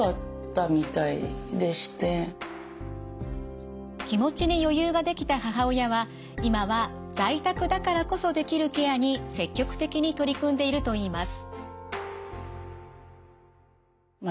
例えばちょっと気持ちに余裕ができた母親は今は在宅だからこそできるケアに積極的に取り組んでいるといいます。